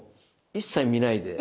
一切見ないで。